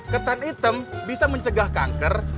ketan hitam bisa mencegah kanker